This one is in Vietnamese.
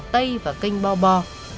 tây và canh bo bo